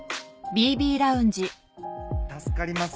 助かります。